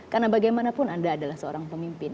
karena bagaimanapun anda adalah seorang pemimpin